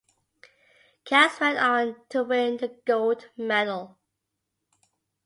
Cowles went on to win the gold medal.